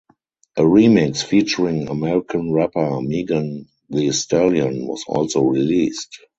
A remix featuring American rapper Megan Thee Stallion was also released.